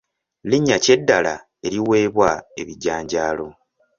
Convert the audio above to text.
Linnya ki eddala eriweebwa ebijanjaalo?